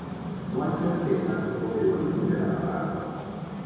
No hay certeza sobre el origen de la palabra.